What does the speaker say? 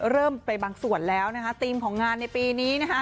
เริ่มไปบางส่วนแล้วนะคะธีมของงานในปีนี้นะคะ